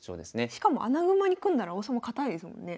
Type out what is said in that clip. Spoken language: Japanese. しかも穴熊に組んだら王様堅いですもんね。